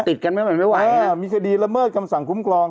ติดกันไม่ไหวไม่ไหวอ่ะมีคดีละเมิดคำสั่งคุ้มครอง